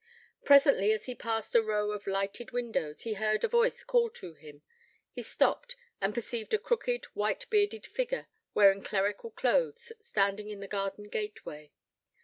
Presently, as he passed a row of lighted windows, he heard a voice call to him. He stopped, and perceived a crooked, white bearded figure, wearing clerical clothes, standing in the garden gateway.